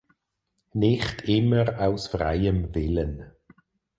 Nicht immer aus freiem Willen.